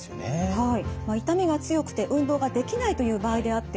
はい。